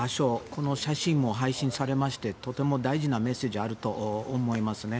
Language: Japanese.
この写真も配信されましてとても大事なメッセージがあると思いますね。